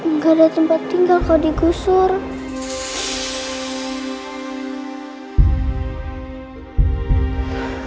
nggak ada tempat tinggal kau digusur